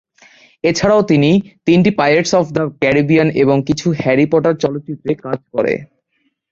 এছাড়াও তিনি তিনটি পাইরেটস অফ দা ক্যারিবিয়ান এবং কিছু হ্যারি পটার চলচ্চিত্রে কাজ করে।